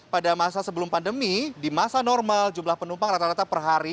pada masa sebelum pandemi di masa normal jumlah penumpang rata rata per hari